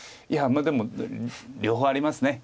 いやでも両方あります。